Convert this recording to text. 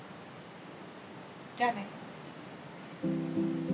じゃあね。